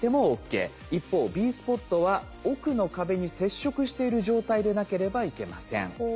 一方Ｂスポットは奥の壁に接触している状態でなければいけません。